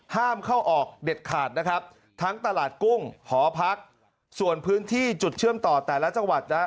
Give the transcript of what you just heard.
ห้ามเข้าออกเด็ดขาดนะครับทั้งตลาดกุ้งหอพักส่วนพื้นที่จุดเชื่อมต่อแต่ละจังหวัดนะ